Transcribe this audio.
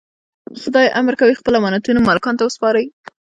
خدای امر کوي خپل امانتونه مالکانو ته وسپارئ.